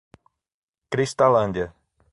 Cristalândia